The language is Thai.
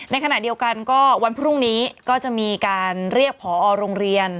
ในขณะเดียวกันก็วันพรุ่งนี้ก็จะมีการเรียกผอโรงเรียน